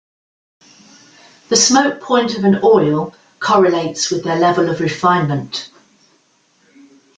The smoke point of an oil correlates with their level of refinement.